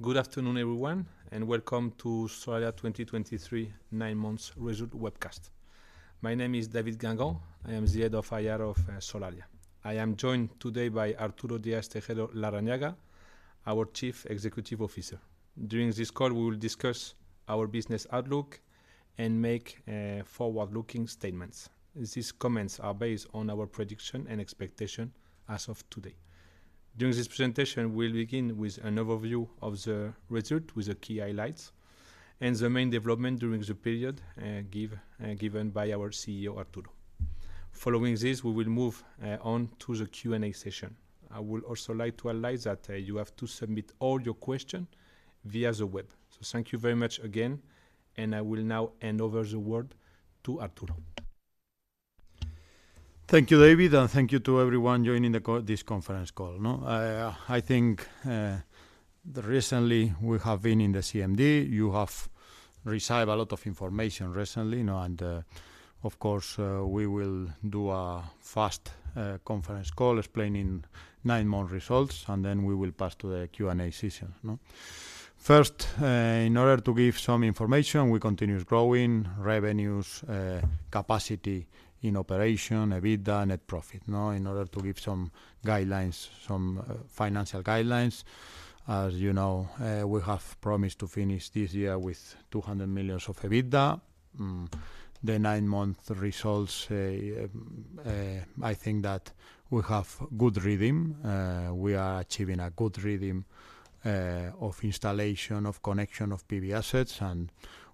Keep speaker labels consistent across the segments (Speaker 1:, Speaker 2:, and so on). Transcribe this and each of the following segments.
Speaker 1: Good afternoon, everyone, and welcome to Solaria 2023 nine months result webcast. My name is David Guengant. I am the Head of IR of Solaria. I am joined today by Arturo Díaz-Tejeiro Larrañaga, our Chief Executive Officer. During this call, we will discuss our business outlook and make forward-looking statements. These comments are based on our prediction and expectation as of today. During this presentation, we'll begin with an overview of the result, with the key highlights and the main development during the period given by our CEO, Arturo. Following this, we will move on to the Q&A session. I would also like to advise that you have to submit all your question via the web. So thank you very much again, and I will now hand over the word to Arturo.
Speaker 2: Thank you, David, and thank you to everyone joining the call, this conference call, no? I think, recently, we have been in the CMD. You have received a lot of information recently, you know, and, of course, we will do a fast conference call explaining nine-month results, and then we will pass to the Q&A session, no? First, in order to give some information, we continue growing revenues, capacity in operation, EBITDA, net profit. Now, in order to give some guidelines, some financial guidelines, as you know, we have promised to finish this year with 200 million of EBITDA. The nine-month results, I think that we have good rhythm. We are achieving a good rhythm of installation, of connection, of PV assets, and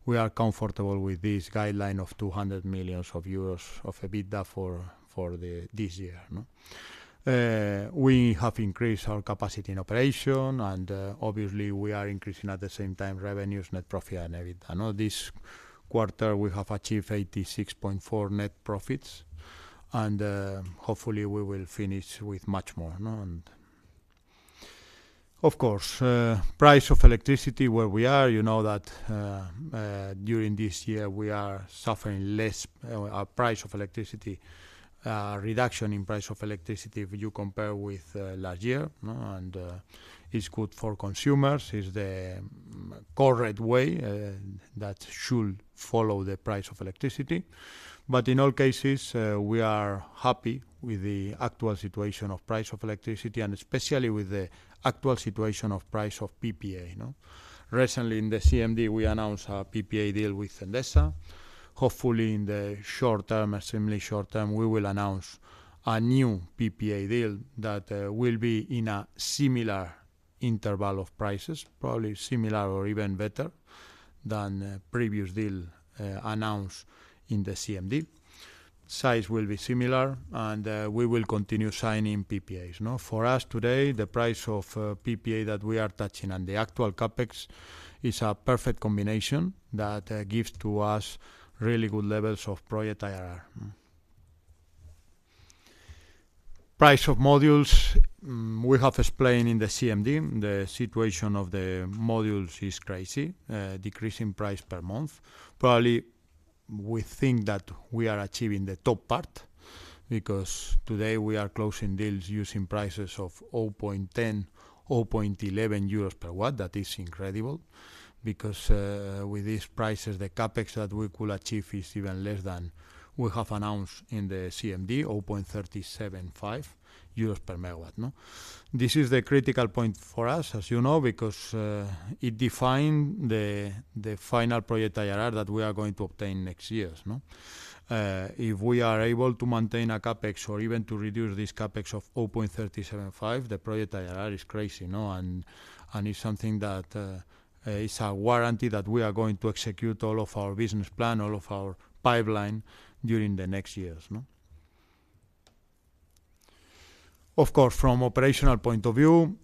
Speaker 2: we are comfortable with this guideline of 200 million euros of EBITDA for this year, no? We have increased our capacity in operation, and obviously, we are increasing at the same time, revenues, net profit, and EBITDA. Now, this quarter, we have achieved 86.4 million net profits, and hopefully, we will finish with much more, no? Of course, price of electricity where we are, you know that, during this year, we are suffering less price of electricity reduction in price of electricity if you compare with last year, no? It's good for consumers. It's the correct way that should follow the price of electricity. But in all cases, we are happy with the actual situation of price of electricity and especially with the actual situation of price of PPA. Recently, in the CMD, we announced a PPA deal with Endesa. Hopefully, in the short-term, extremely short term, we will announce a new PPA deal that will be in a similar interval of prices, probably similar or even better than previous deal announced in the CMD. Size will be similar, and we will continue signing PPAs, no? For us today, the price of PPA that we are touching and the actual CapEx is a perfect combination that gives to us really good levels of project IRR. Price of modules, we have explained in the CMD, the situation of the modules is crazy, decreasing price per month. Probably, we think that we are achieving the top part because today we are closing deals using prices of 0.10-0.11 euros per watt. That is incredible because with these prices, the CapEx that we could achieve is even less than we have announced in the CMD, 0.375 euros per megawatt, no? This is the critical point for us, as you know, because it define the final project IRR that we are going to obtain next years. If we are able to maintain a CapEx or even to reduce this CapEx of 0.375, the project IRR is crazy, you know, and it's something that it's a warranty that we are going to execute all of our business plan, all of our Pipeline, during the next years. Of course, from operational point of view,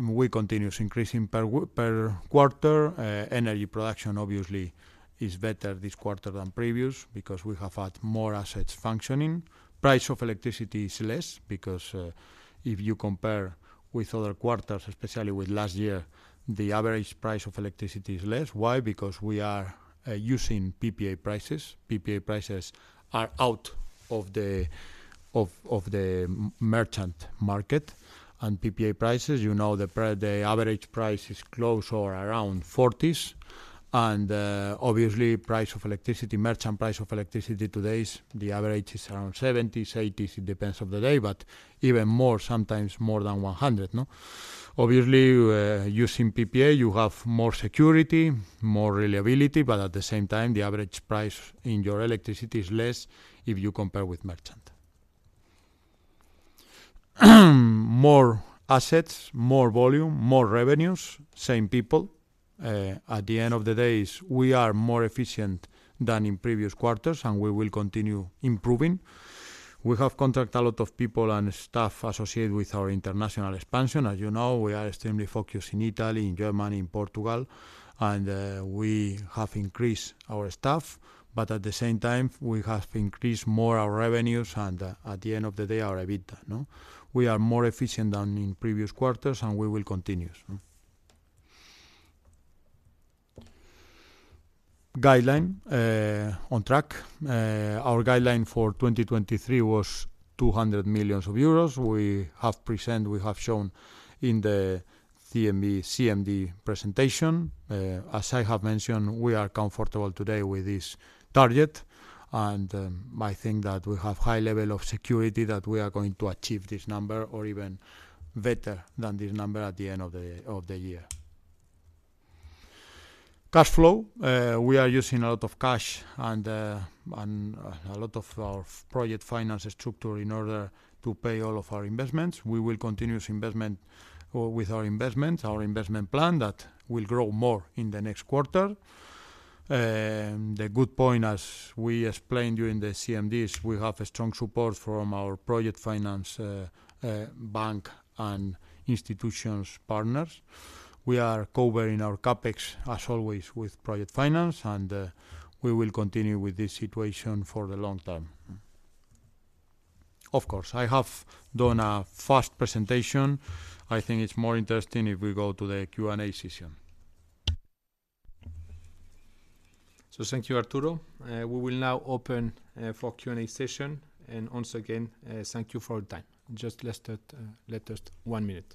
Speaker 2: we continues increasing per quarter. Energy production obviously is better this quarter than previous because we have had more assets functioning. Price of electricity is less because, if you compare with other quarters, especially with last year, the average price of electricity is less. Why? Because we are using PPA prices. PPA prices are out of the merchant market, and PPA prices, you know, the average price is close or around EUR 40s. And, obviously, price of electricity, merchant price of electricity today is, the average is around EUR 70s, EUR 80s. It depends on the day, but even more, sometimes more than 100. Obviously, using PPA, you have more security, more reliability, but at the same time, the average price in your electricity is less if you compare with merchant. More assets, more volume, more revenues, same people. At the end of the day, we are more efficient than in previous quarters, and we will continue improving. We have hired a lot of people and staff associated with our international expansion. As you know, we are extremely focused in Italy, in Germany, in Portugal, and we have increased our staff, but at the same time, we have increased more our revenues and, at the end of the day, our EBITDA. We are more efficient than in previous quarters, and we will continue, guideline on track. Our guideline for 2023 was 200 million euros. We have present, we have shown in the CMD presentation. As I have mentioned, we are comfortable today with this target, and I think that we have high level of security that we are going to achieve this number or even better than this number at the end of the year. Cash flow. We are using a lot of cash and a lot of our project finance structure in order to pay all of our investments. We will continue this investment or with our investments, our investment plan that will grow more in the next quarter. The good point, as we explained during the CMDs, we have a strong support from our project finance bank and institutions partners. We are covering our CapEx, as always, with project finance, and we will continue with this situation for the long-term. Of course, I have done a fast presentation. I think it's more interesting if we go to the Q&A session.
Speaker 1: So thank you, Arturo. We will now open for Q&A session. And once again, thank you for your time. Just let start one minute.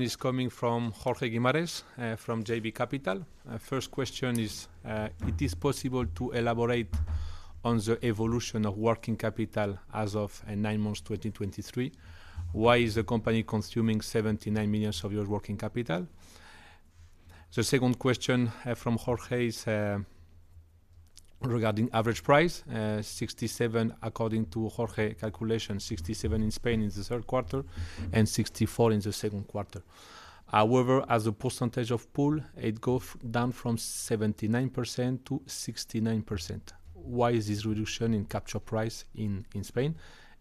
Speaker 1: First question is coming from Jorge Guimarães from JB Capital. First question is: It is possible to elaborate on the evolution of working capital as of 9 months, 2023? Why is the company consuming 79 million of working capital? The second question from Jorge is regarding average price, 67 million, according to Jorge calculation, 67 million in Spain in the third quarter and 64 in the second quarter. However, as a percentage of pool, it go down from 79%-69%. Why is this reduction in capture price in Spain?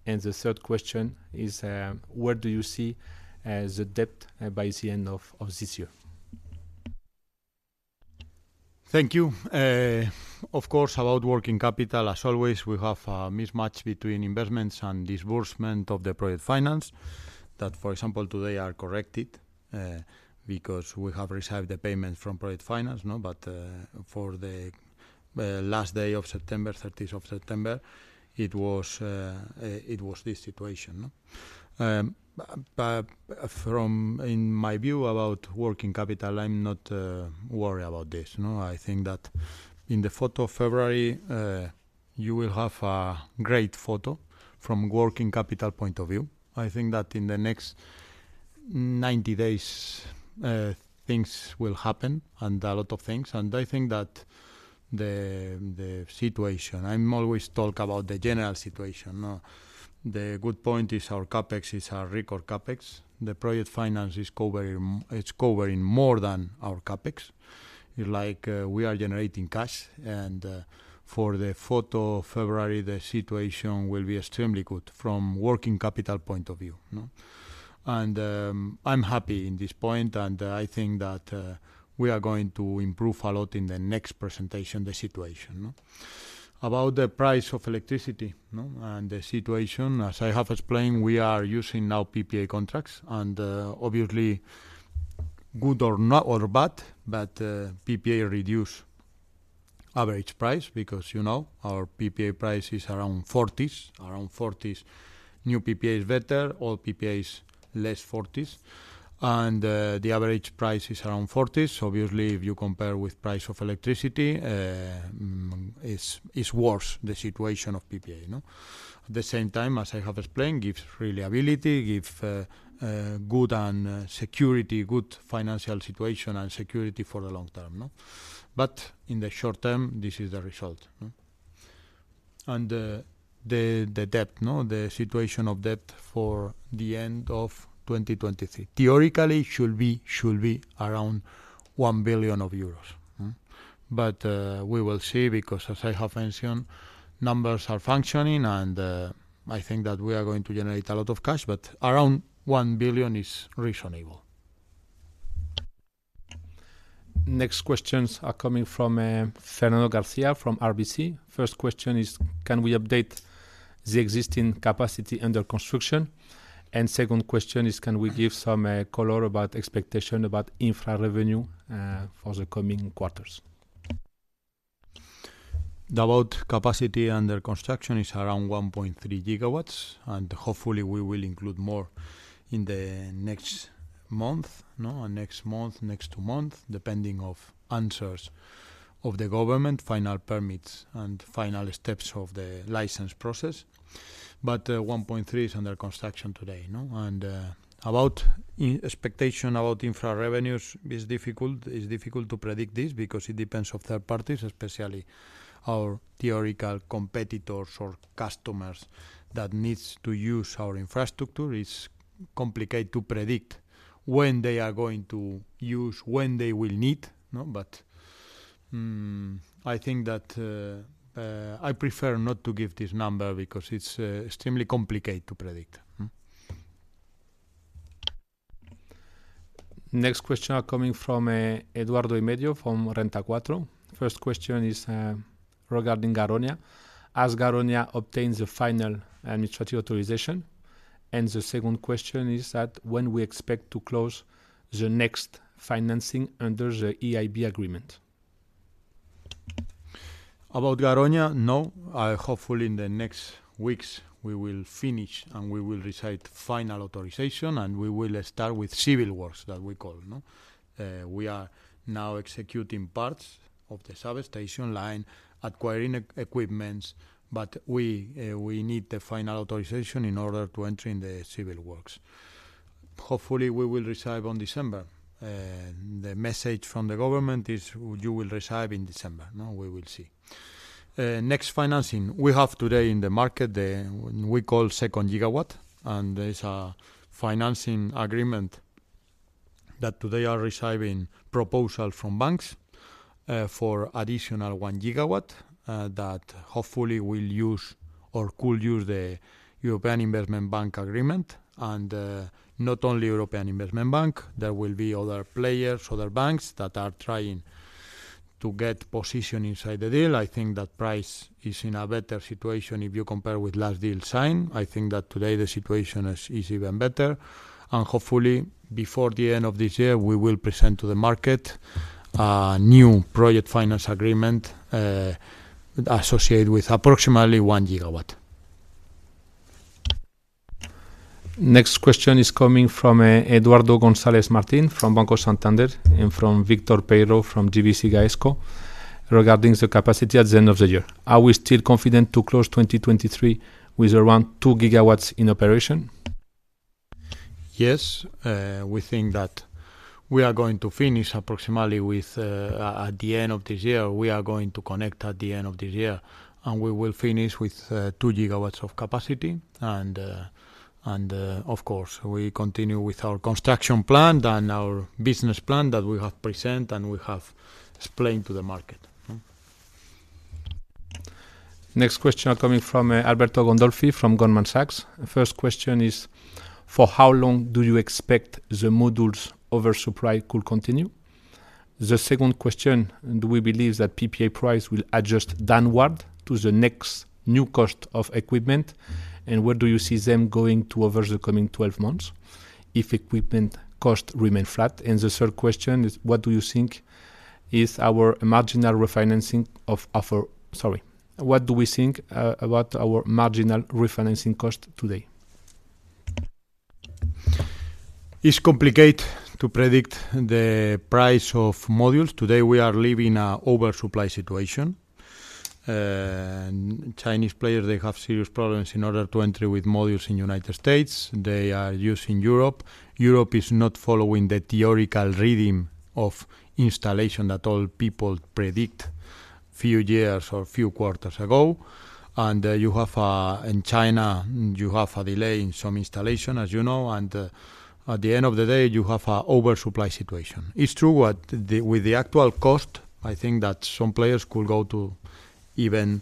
Speaker 1: The third question is: Where do you see the debt by the end of this year?
Speaker 2: Thank you. Of course, about working capital, as always, we have a mismatch between investments and disbursement of the project finance that, for example, today are corrected, because we have received the payment from project finance, no? But, for the last day of September, 13th of September, it was this situation, no? But from in my view about working capital, I'm not worried about this, no. I think that in the fourth of February, you will have a great photo from working capital point of view. I think that in the next 90 days, things will happen and a lot of things, and I think that the situation... I'm always talk about the general situation, no? The good point is our CapEx is our record CapEx. The project finance is covering. It's covering more than our CapEx. Like, we are generating cash, and, for the fourth of February, the situation will be extremely good from working capital point of view, no? And, I'm happy in this point, and I think that, we are going to improve a lot in the next presentation, the situation, no? About the price of electricity, no, and the situation, as I have explained, we are using now PPA contracts, and, obviously, good or not, or bad, but, PPA reduce average price because, you know, our PPA price is around EUR 40s, around EUR 40s. New PPA is better, old PPA is less EUR 40s. And, the average price is around EUR 40s. Obviously, if you compare with price of electricity, it's, it's worse, the situation of PPA, you know? At the same time, as I have explained, gives reliability, good and security, good financial situation and security for the long-term, no? But in the short-term, this is the result. And, the debt, no, the situation of debt for the end of 2023. Theoretically, should be around 1 billion euros. But, we will see because, as I have mentioned, numbers are functioning, and, I think that we are going to generate a lot of cash, but around 1 billion is reasonable.
Speaker 1: Next questions are coming from Fernando Garcia from RBC. First question is: Can we update the existing capacity under construction? And second question is: Can we give some color about expectation about infra revenue for the coming quarters?
Speaker 2: Then, about capacity under construction is around 1.3 GW, and hopefully we will include more in the next month, no? In next month, next two months, depending of answers of the government, final permits and final steps of the license process. But, 1.3 GW is under construction today, no? And, about expectation about infra revenues, it's difficult. It's difficult to predict this because it depends of third parties, especially our theoretical competitors or customers that needs to use our infrastructure. It's complicated to predict when they are going to use, when they will need, no? But, I think that, I prefer not to give this number because it's, extremely complicated to predict.
Speaker 1: Next question are coming from Eduardo Imedio from Renta 4. First question is regarding Garoña. As Garoña obtains a final administrative authorization. The second question is that when we expect to close the next financing under the EIB agreement?
Speaker 2: About Garoña, hopefully in the next weeks we will finish and we will receive the final authorization, and we will start with civil works. We are now executing parts of the substation line, acquiring equipment, but we need the final authorization in order to enter in the civil works. Hopefully, we will receive on December. The message from the government is, you will receive in December. We will see. Next financing. We have today in the market the second gigawatt, and there's a financing agreement that today are receiving proposal from banks for additional 1 GW that hopefully will use or could use the European Investment Bank agreement. And not only European Investment Bank, there will be other players, other banks, that are trying to get position inside the deal. I think that price is in a better situation if you compare with last deal signed. I think that today the situation is even better. And hopefully, before the end of this year, we will present to the market a new project finance agreement associated with approximately 1 GW.
Speaker 1: Next question is coming from Eduardo González Martin from Banco Santander, and from Victor Peiró from GVC Gaesco, regarding the capacity at the end of the year: Are we still confident to close 2023 with around 2 GW in operation?
Speaker 2: Yes, we think that we are going to finish approximately with, at the end of this year, we are going to connect at the end of this year, and we will finish with, 2 GW of capacity. Of course, we continue with our construction plan and our business plan that we have presented and we have explained to the market.
Speaker 1: Next question are coming from Alberto Gandolfi from Goldman Sachs. The first question is: For how long do you expect the modules oversupply could continue? The second question: Do we believe that PPA price will adjust downward to the next new cost of equipment, and where do you see them going to over the coming 12 months if equipment cost remain flat? And the third question is: What do you think is our marginal refinancing of offer... Sorry. What do we think about our marginal refinancing cost today?
Speaker 2: It's complicated to predict the price of modules. Today, we are living a oversupply situation. And Chinese players, they have serious problems in order to enter with modules in United States. They are used in Europe. Europe is not following the theoretical rhythm of installation that all people predict few years or few quarters ago. And, you have, in China, you have a delay in some installation, as you know, and, at the end of the day, you have a oversupply situation. It's true what the-- with the actual cost, I think that some players could go to even,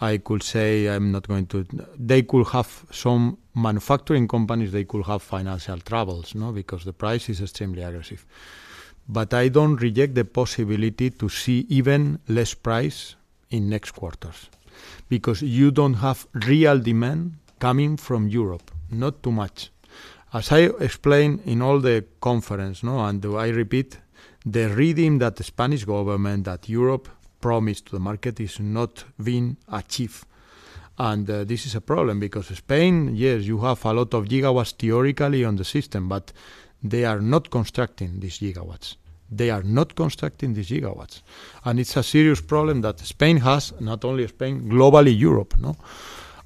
Speaker 2: I could say, I'm not going to. They could have some manufacturing companies, they could have financial troubles, no? Because the price is extremely aggressive. But I don't reject the possibility to see even less price in next quarters, because you don't have real demand coming from Europe, not too much. As I explained in all the conference, no, and do I repeat, the rhythm that the Spanish government, that Europe promised to the market, is not being achieved. And this is a problem, because Spain, yes, you have a lot of gigawatts theoretically on the system, but they are not constructing these gigawatts. They are not constructing these gigawatts. And it's a serious problem that Spain has, not only Spain, globally, Europe, no?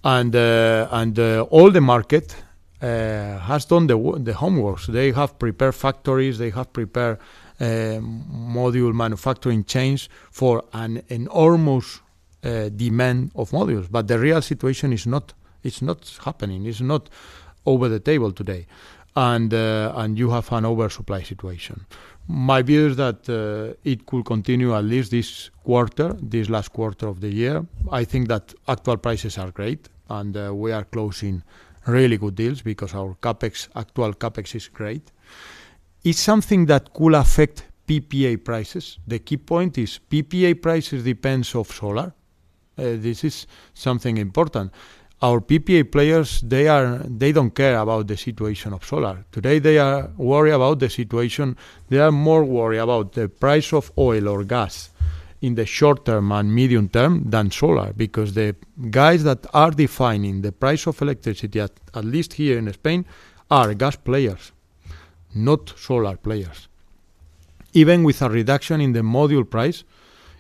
Speaker 2: And all the market has done the homeworks. They have prepared factories, they have prepared module manufacturing chains for an enormous demand of modules. But the real situation is not, it's not happening. It's not over the table today, and, and you have an oversupply situation. My view is that, it could continue at least this quarter, this last quarter of the year. I think that actual prices are great, and, we are closing really good deals because our CapEx, actual CapEx, is great. It's something that could affect PPA prices. The key point is PPA prices depends of solar. This is something important. Our PPA players, they are, they don't care about the situation of solar. Today, they are worried about the situation. They are more worried about the price of oil or gas in the short-term and medium-term than solar, because the guys that are defining the price of electricity, at, at least here in Spain, are gas players, not solar players. Even with a reduction in the module price,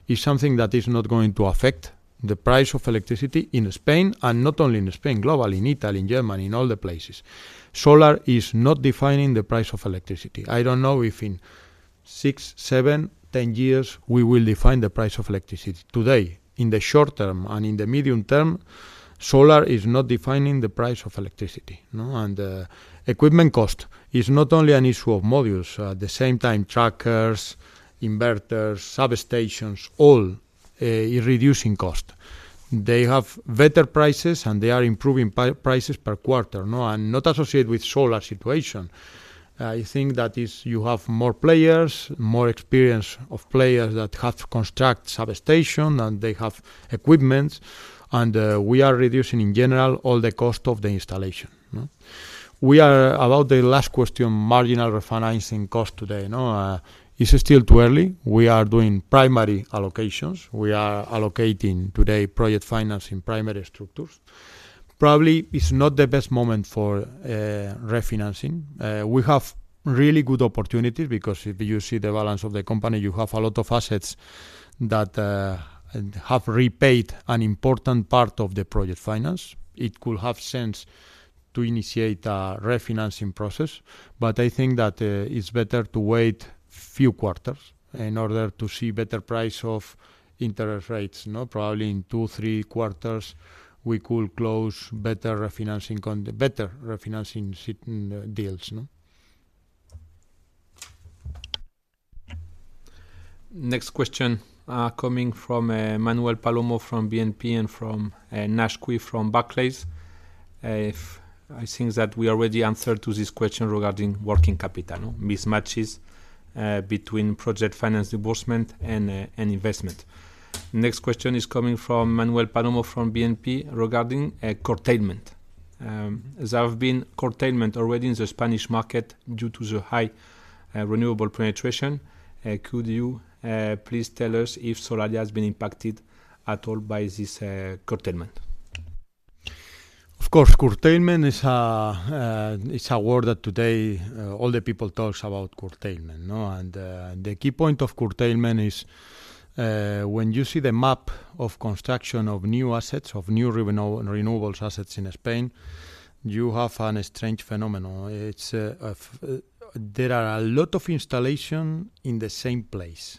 Speaker 2: is something that is not going to affect the price of electricity in Spain, and not only in Spain, globally, in Italy, in Germany, in all the places. Solar is not defining the price of electricity. I don't know if in six, seven, 10 years, we will define the price of electricity. Today, in the short-term and in the medium-term, solar is not defining the price of electricity, no? And, equipment cost is not only an issue of modules. At the same time, trackers, inverters, substations, all, is reducing cost. They have better prices, and they are improving prices per quarter, no? And not associated with solar situation. I think that is you have more players, more experience of players that have to construct substation, and they have equipment, and, we are reducing, in general, all the cost of the installation. About the last question, marginal refinancing cost today, no, it's still too early. We are doing primary allocations. We are allocating today project finance in primary structures. Probably, it's not the best moment for, refinancing. We have really good opportunity because if you see the balance of the company, you have a lot of assets that, have repaid an important part of the project finance. It could have sense to initiate a refinancing process, but I think that, it's better to wait few quarters in order to see better price of interest rates. Probably in two, three quarters, we could close better refinancing deals.
Speaker 1: Next question, coming from Manuel Palomo, from BNP and from Nash Cui, from Barclays. I think that we already answered to this question regarding working capital, no? Mismatches between project finance disbursement and investment. Next question is coming from Manuel Palomo from BNP, regarding curtailment. There have been curtailment already in the Spanish market due to the high renewable penetration. Could you please tell us if Solaria has been impacted at all by this curtailment?
Speaker 2: Of course, curtailment is, it's a word that today, all the people talks about curtailment. And, the key point of curtailment is, when you see the map of construction, of new assets, of new renewables assets in Spain, you have a strange phenomenon. It's, There are a lot of installation in the same place.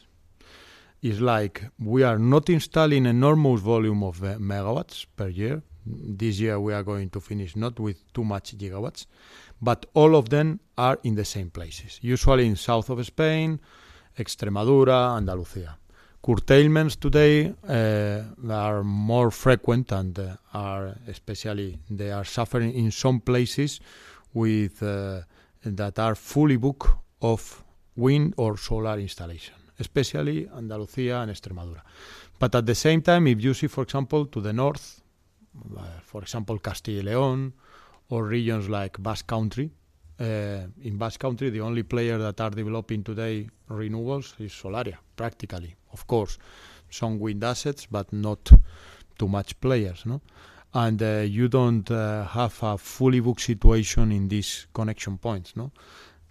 Speaker 2: It's like we are not installing enormous volume of, megawatts per year. This year, we are going to finish not with too much gigawatts, but all of them are in the same places, usually in south of Spain, Extremadura, Andalusia. Curtailments today, are more frequent and, are especially, they are suffering in some places with, that are fully book of wind or solar installation, especially Andalusia and Extremadura. But at the same time, if you see, for example, to the north, for example, Castile and León or regions like Basque Country. In Basque Country, the only player that are developing today renewables is Solaria, practically. Of course, some wind assets, but not too much players, no? And, you don't have a fully booked situation in this connection points, no?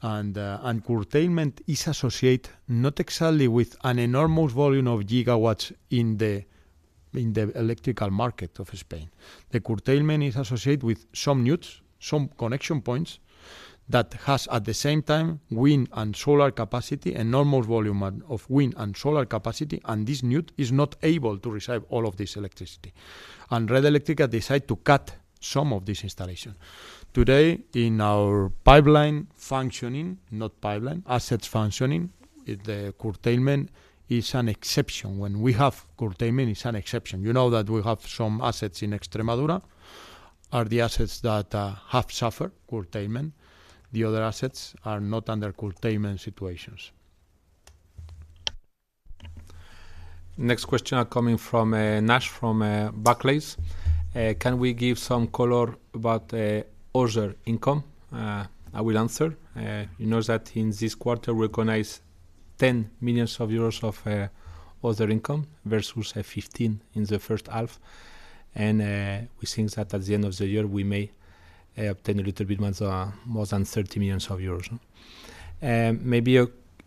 Speaker 2: And, and curtailment is associated not exactly with an enormous volume of gigawatts in the electrical market of Spain. The curtailment is associated with some nodes, some connection points, that has, at the same time, wind and solar capacity, enormous volume and, of wind and solar capacity, and this node is not able to receive all of this electricity. And Red Eléctrica decide to cut some of this installation. Today, in our Pipeline functioning, not Pipeline, assets functioning, the curtailment is an exception. When we have curtailment, it's an exception. You know that we have some assets in Extremadura, are the assets that have suffered curtailment. The other assets are not under curtailment situations.
Speaker 1: Next question are coming from Nash from Barclays. Can we give some color about other income? I will answer. You know that in this quarter, we recognize 10 million euros of other income versus 15 million in the first half. And we think that at the end of the year, we may obtain a little bit more more than 30 million euros. Maybe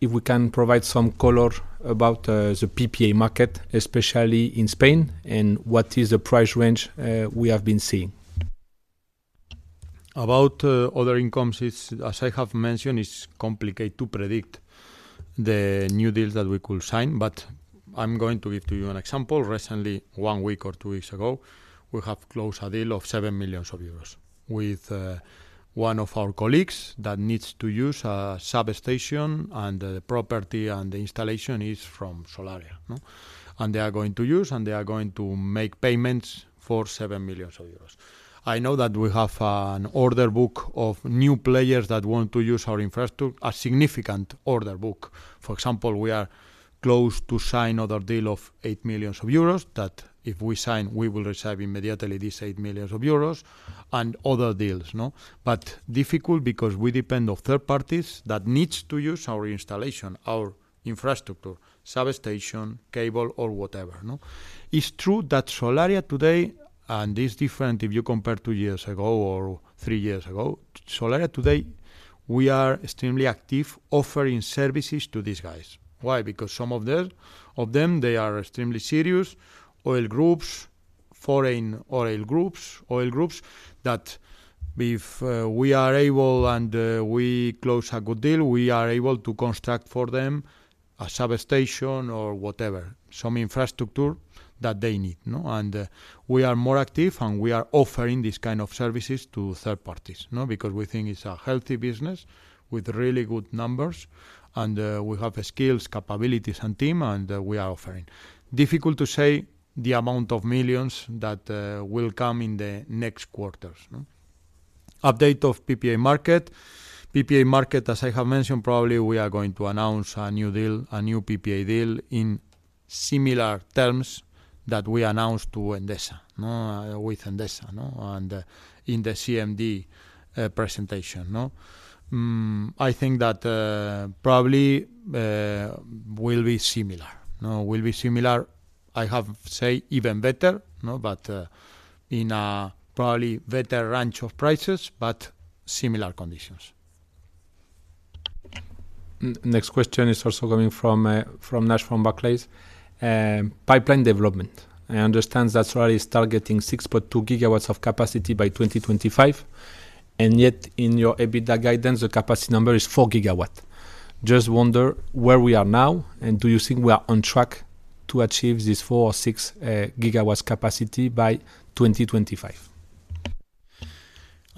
Speaker 1: if we can provide some color about the PPA market, especially in Spain, and what is the price range we have been seeing?
Speaker 2: About other incomes, it's as I have mentioned, it's complicated to predict the new deals that we could sign, but I'm going to give to you an example. Recently, one week or two weeks ago, we have closed a deal of 7 million euros with one of our colleagues that needs to use a substation, and the property and the installation is from Solaria. And they are going to use, and they are going to make payments for 7 million euros. I know that we have an order book of new players that want to use our infrastructure, a significant order book. For example, we are close to sign other deal of 8 million euros, that if we sign, we will receive immediately these 8 million euros and other deals. But difficult because we depend on third parties that needs to use our installation, our infrastructure, substation, cable, or whatever, no? It's true that Solaria today, and it's different if you compare two years ago or three years ago, Solaria today, we are extremely active offering services to these guys. Why? Because some of them, of them, they are extremely serious, oil groups, foreign oil groups, oil groups that if we are able and we close a good deal, we are able to construct for them a substation or whatever, some infrastructure that they need. And we are more active, and we are offering these kind of services to third parties. Because we think it's a healthy business with really good numbers, and we have the skills, capabilities, and team, and we are offering. Difficult to say the amount of millions that will come in the next quarters, no? Update of PPA market. PPA market, as I have mentioned, probably we are going to announce a new deal, a new PPA deal, in similar terms that we announced to Endesa, no, with Endesa, no, in the CMD presentation, no? Mm, I think that probably will be similar, no? Will be similar. I have say even better, no, but in a probably better range of prices, but similar conditions.
Speaker 1: Next question is also coming from, from Nash from Barclays. Pipeline development. I understand that Solaria is targeting 6.2GW of capacity by 2025, and yet in your EBITDA guidance, the capacity number is four gigawatt. Just wonder where we are now, and do you think we are on track to achieve this four or six gigawatts capacity by 2025?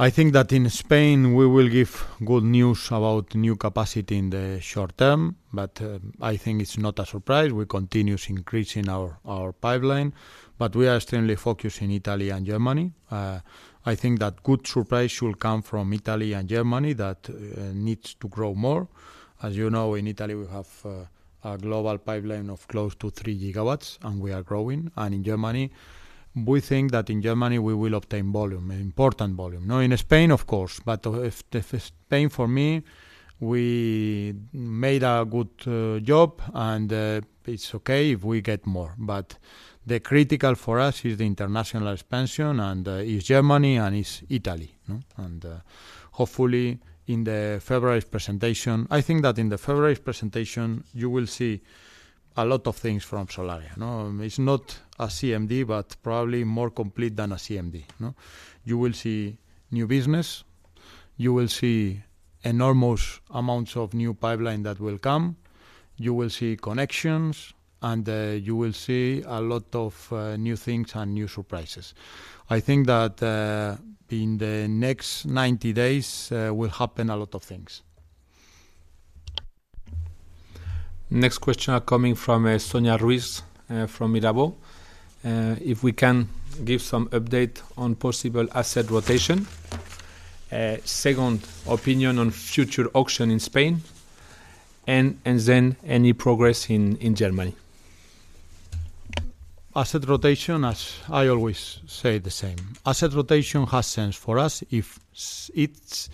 Speaker 2: I think that in Spain, we will give good news about new capacity in the short-term, but I think it's not a surprise. We're continuously increasing our Pipeline, but we are extremely focused in Italy and Germany. I think that good surprise should come from Italy and Germany that needs to grow more. As you know, in Italy, we have a global pipeline of close to 3 GW, and we are growing. And in Germany, we think that in Germany, we will obtain volume, important volume. Now, in Spain, of course, but if Spain, for me, we made a good job and it's okay if we get more. But the critical for us is the international expansion, and it's Germany and it's Italy, no? And hopefully, in the February presentation. I think that in the February presentation, you will see a lot of things from Solaria, no? It's not a CMD, but probably more complete than a CMD. You will see new business, you will see enormous amounts of new pipeline that will come, you will see connections, and you will see a lot of new things and new surprises. I think that in the next 90 days will happen a lot of things.
Speaker 1: Next question are coming from Sonia Ruiz from Mirabaud. If we can give some update on possible asset rotation. Second opinion on future auction in Spain, and then any progress in Germany.
Speaker 2: Asset rotation, as I always say the same, asset rotation has sense for us if it's,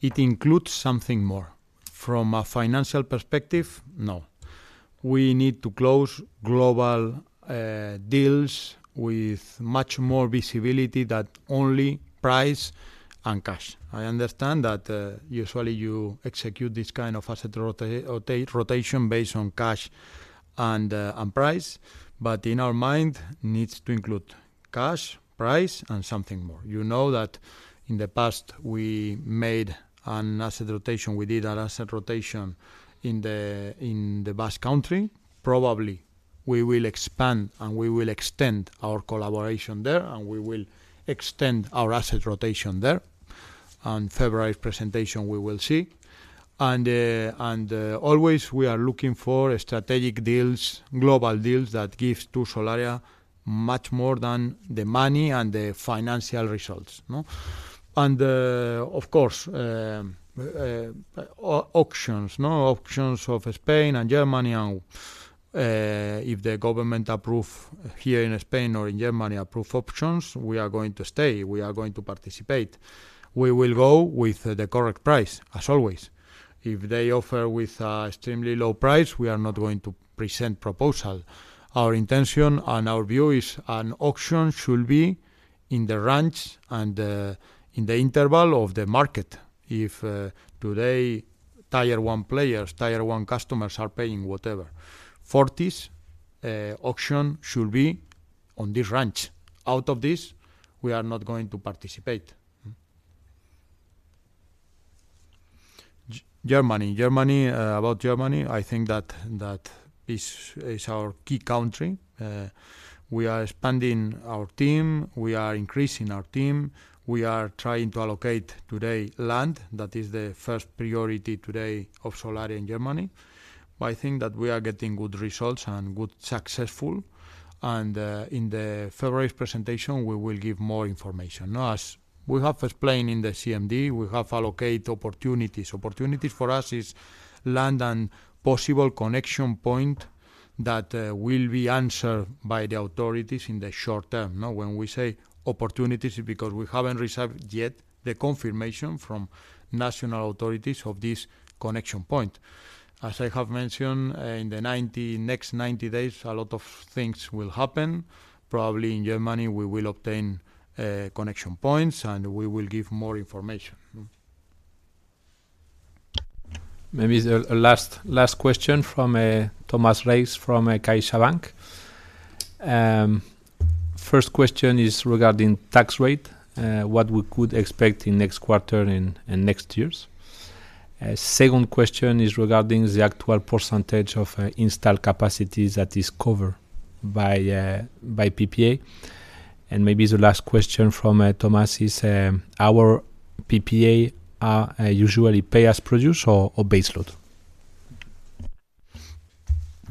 Speaker 2: it includes something more. From a financial perspective, no. We need to close global, deals with much more visibility that only price and cash. I understand that, usually you execute this kind of asset rotation based on cash and, and price, but in our mind, needs to include cash, price, and something more. You know that in the past, we made an asset rotation. We did an asset rotation in the, in the Basque Country. Probably, we will expand, and we will extend our collaboration there, and we will extend our asset rotation there. On February presentation, we will see. And, always, we are looking for strategic deals, global deals, that gives to Solaria much more than the money and the financial results. Of course, auctions no, auctions of Spain and Germany. And if the government approve here in Spain or in Germany approve auctions, we are going to stay. We are going to participate. We will go with the correct price, as always. If they offer with a extremely low price, we are not going to present proposal. Our intention and our view is an auction should be in the range and in the interval of the market. If today Tier 1 players, Tier 1 customers are paying whatever, EUR 40s, auction should be on this range. Out of this, we are not going to participate. Germany—about Germany, I think that is our key country. We are expanding our team, we are increasing our team, we are trying to allocate today land. That is the first priority today of Solaria in Germany. But I think that we are getting good results and good successful, and, in the February's presentation, we will give more information. Now, as we have explained in the CMD, we have allocate opportunities. Opportunities for us is land and possible connection point that, will be answered by the authorities in the short-term. When we say opportunities, it's because we haven't received yet the confirmation from national authorities of this connection point. As I have mentioned, in the next 90 days, a lot of things will happen. Probably in Germany, we will obtain, connection points, and we will give more information.
Speaker 1: Maybe the last question from Tomás Reis from CaixaBank. First question is regarding tax rate, what we could expect in next quarter and next years. Second question is regarding the actual percentage of installed capacities that is covered by PPA. And maybe the last question from Thomas is: Our PPA, are usually pay as produced or base load?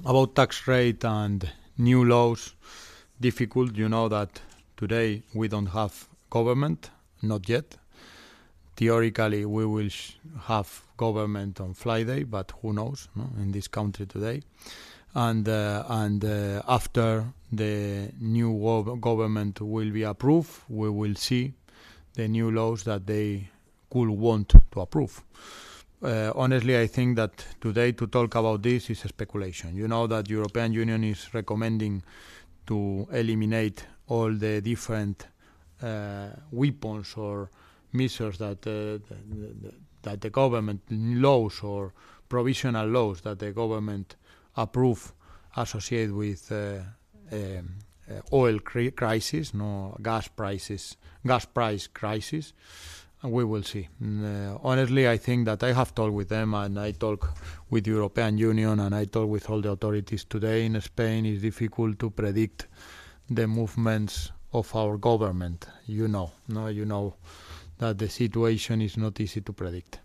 Speaker 2: About tax rate and new laws, difficult. You know that today we don't have government, not yet. Theoretically, we will have government on Friday, but who knows. In this country today. And after the new government will be approved, we will see the new laws that they could want to approve. Honestly, I think that today, to talk about this is speculation. You know that European Union is recommending to eliminate all the different, weapons or measures that that the government laws or provisional laws that the government approve, associated with, oil crisis, no, gas prices, gas price crisis. And we will see. Honestly, I think that I have talked with them, and I talk with European Union, and I talk with all the authorities today in Spain; it is difficult to predict the movements of our government, you know. No, you know that the situation is not easy to predict.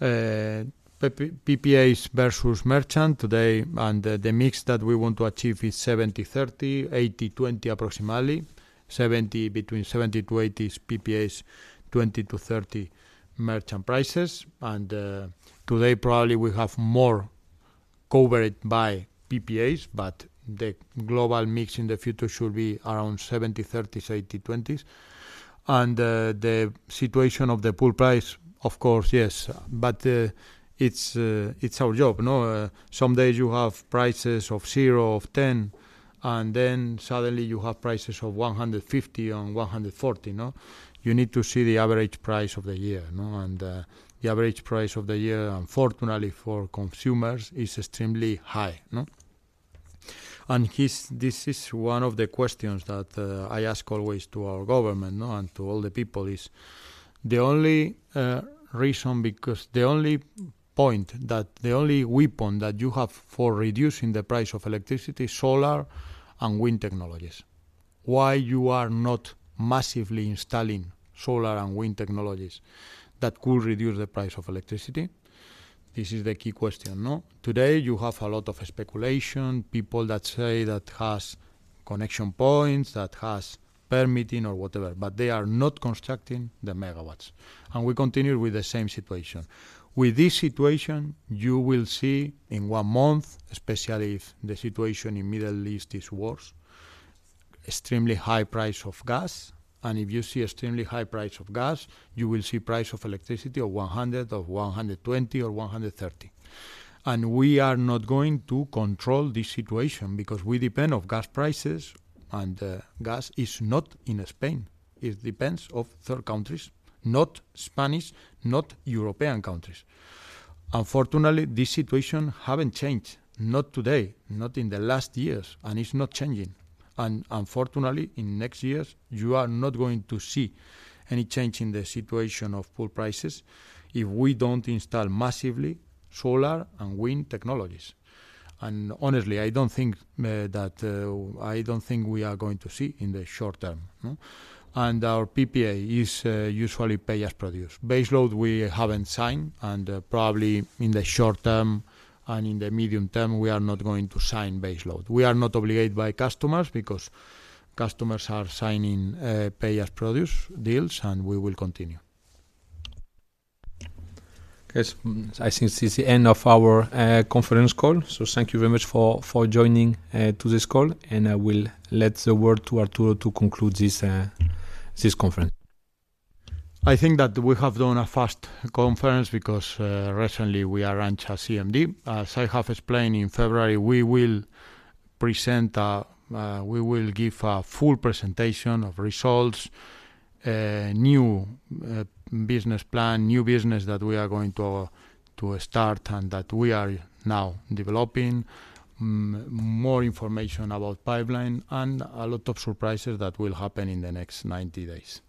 Speaker 2: PPAs versus merchant today, and the mix that we want to achieve is 70-30, 80-20, approximately. 70, between 70-80 is PPAs, 20-30 merchant prices. And today, probably we have more covered by PPAs, but the global mix in the future should be around 70-30s, 80-20s. And the situation of the pool price, of course, yes. But it's our job, no? Some days you have prices of 0, of 10, and then suddenly you have prices of 150 and 140, no? You need to see the average price of the year, And, the average price of the year, unfortunately for consumers, is extremely high. And this, this is one of the questions that, I ask always to our government, no, and to all the people is: The only reason, because the only point that, the only weapon that you have for reducing the price of electricity, solar and wind technologies. Why you are not massively installing solar and wind technologies that could reduce the price of electricity? This is the key question, no? Today, you have a lot of speculation, people that say that has connection points, that has permitting or whatever, but they are not constructing the megawatts. And we continue with the same situation. With this situation, you will see in one month, especially if the situation in Middle East is worse, extremely high price of gas. And if you see extremely high price of gas, you will see price of electricity of 100, of 120, or 130. And we are not going to control this situation because we depend on gas prices, and gas is not in Spain. It depends of third countries, not Spanish, not European countries. Unfortunately, this situation haven't changed, not today, not in the last years, and it's not changing. And unfortunately, in next years, you are not going to see any change in the situation of pool prices if we don't install massively solar and wind technologies. And honestly, I don't think that I don't think we are going to see in the short term, no? Our PPA is usually pay-as-produced. Base load, we haven't signed, and probably in the short-term and in the medium-term, we are not going to sign base load. We are not obligated by customers, because customers are signing pay-as-produced deals, and we will continue.
Speaker 1: Okay, so I think this is the end of our conference call. So thank you very much for joining to this call, and I will let the word to Arturo to conclude this conference.
Speaker 2: I think that we have done a fast conference because recently we are launched a CMD. So I have explained. In February, we will present a. We will give a full presentation of results, new business plan, new business that we are going to to start, and that we are now developing. More information about Pipeline and a lot of surprises that will happen in the next 90 days.